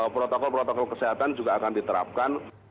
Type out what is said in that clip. protokol protokol kesehatan juga akan diterapkan